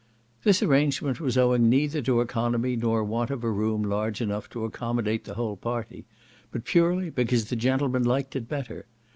This arrangement was owing neither to economy nor want of a room large enough to accommodate the whole party, but purely because the gentlemen liked it better.